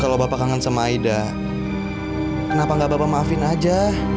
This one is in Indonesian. kalau bapak kangen sama aida kenapa gak bapak maafin aja